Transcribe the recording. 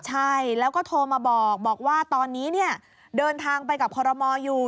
ใช่แล้วก็โทรมาบอกว่าตอนนี้เนี่ยเดินทางไปกับคอรมอลอยู่